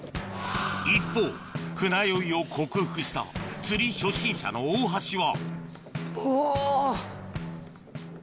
一方船酔いを克服した釣り初心者の大橋はおぉ。